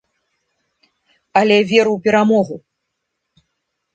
Але веру ў перамогу.